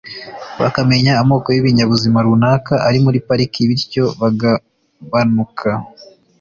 bakamenya amoko y’ibinyabuzima runaka ari muri pariki bityo byagabanuka